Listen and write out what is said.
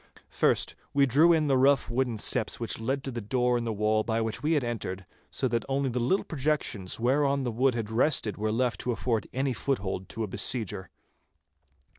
First we drew in the rough wooden steps which led to the door in the wall by which we had entered, so that only the little projections whereon the wood had rested were left to afford foothold to any besieger.